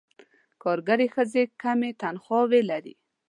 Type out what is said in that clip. کارګرې ښځې کمې تنخواوې لري.